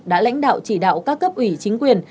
đã lãnh đạo chỉ đạo các cấp ủy chính quyền